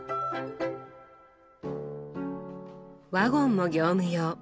ワゴンも業務用。